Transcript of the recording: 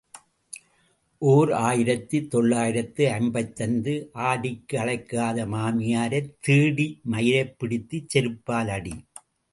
ஓர் ஆயிரத்து தொள்ளாயிரத்து ஐம்பத்தைந்து ஆடிக்கு அழைக்காத மாமியாரைத் தேடி மயிரைப் பிடித்துச் செருப்பால் அடி.